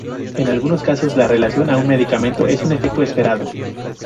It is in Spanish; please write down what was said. En algunos casos, la reacción a un medicamento es un efecto esperado.